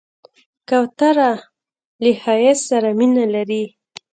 کوتره له ښایست سره مینه لري.